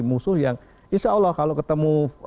musuh yang insya allah kalau ketemu